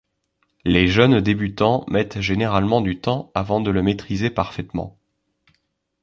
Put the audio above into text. Les jeunes débutants mettent généralement du temps avant de le maîtriser parfaitement.